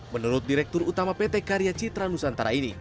menurut direktur utama pt karya citra nusantara ini